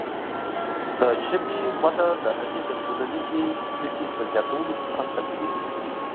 د ژبې وده د هغې د ټولنیزې ګټې په زیاتولو کې مرسته کوي.